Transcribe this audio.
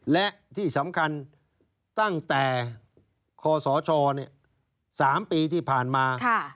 และที่สำคัญตั้งแต่คศ๓ปีที่ผ่านมา